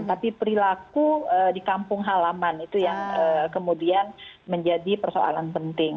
tapi perilaku di kampung halaman itu yang kemudian menjadi persoalan penting